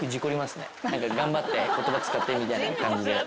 頑張って言葉使ってみたいな感じで。